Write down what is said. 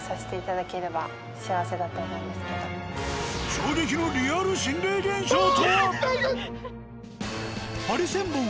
衝撃のリアル心霊現象とは！？